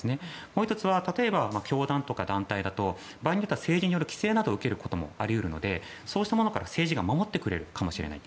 もう１つは例えば、教団とか団体だと場合によっては政治による規制を受けることもあり得るので、こうしたことから政治が守ってくれるかもしれない。